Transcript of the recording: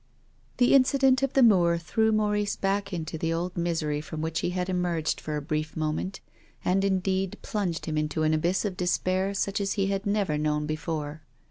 The incident of the moor threw Maurice back into the old misery from which he had emerged for a brief moment, and, indeed, plunged him into an abyss of despair such as he had never known before.